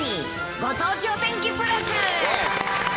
ご当地お天気プラス。